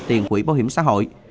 tiền quỹ bảo hiểm xã hội